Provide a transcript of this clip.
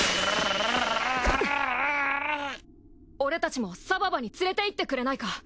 俺たちもサババに連れていってくれないか？